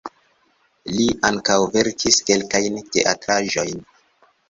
Li ankaŭ verkis kelkajn teatraĵojn.